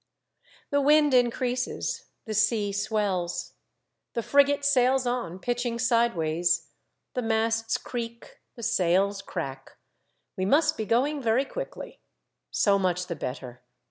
The wind increases, the sea swells. The frigate sails on, pitching sidewise ; the masts creak, the sails crack. We must be going very quickly. So much the better.